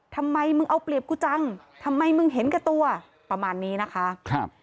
ทำไมมึงเอาเปรียบกูจังทำไมมึงเห็นแก่ตัวประมาณนี้นะคะครับ